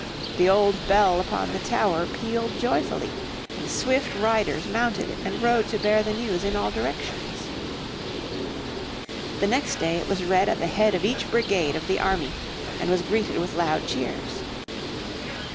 The old bell upon the tower pealed joyfully, and swift riders mounted and rode to bear the news in all directions. The next day it was read at the head of each brigade of the army, and was greeted with loud cheers.